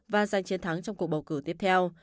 và giành chiến thắng trong cuộc bầu cử tiếp theo